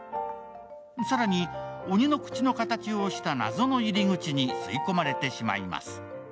更に、鬼の口の形をした謎の入り口に吸い込まれてしまいます。